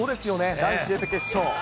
男子エペ決勝。